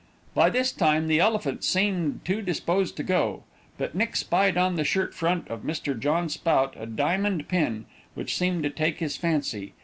By this time the Elephants seemed to disposed to go, but Nick spied on the shirt front of Mr. John Spout a diamond pin, which seemed to take his fancy.